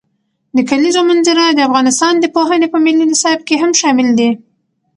د کلیزو منظره د افغانستان د پوهنې په ملي نصاب کې هم شامل دي.